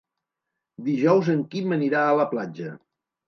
Dijous en Quim anirà a la platja.